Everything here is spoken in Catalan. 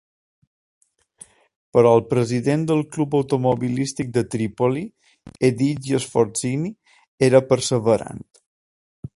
Però el president del club automobilístic de Trípoli, Egidio Sforzini, era perseverant.